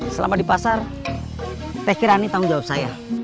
selama di pasar teh kirani tanggung jawab saya